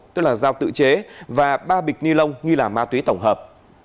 tức là dao tự chế và ba bịch ni lông nghi là ma túy tổng hợp